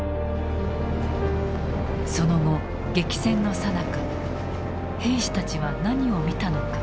その後激戦のさなか兵士たちは何を見たのか。